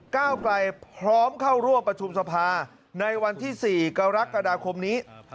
ก้าวไกลพร้อมเข้าร่วมประชุมสภาในวันที่๔กรกฎาคมนี้